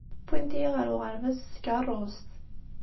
Wwint-iyi ɣer uɣerbaz s tkeṛṛust.